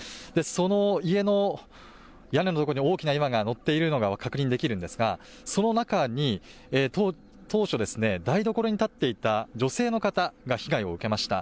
その家の屋根の所に、大きな岩が載っているのが確認できるんですが、その中に、当初ですね、台所に立っていた女性の方が被害を受けました。